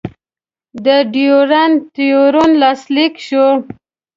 د ډیورنډ تړون لاسلیک شو.